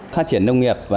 phát triển nông nghiệp